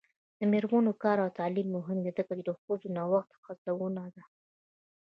د میرمنو کار او تعلیم مهم دی ځکه چې ښځو نوښت هڅونه ده.